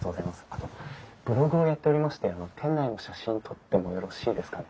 あとブログをやっておりまして店内の写真撮ってもよろしいですかね？